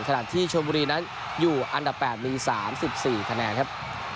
ขณะที่ชมบุรีนั้นอยู่อันดับ๘มี๓๔คะแนนครับ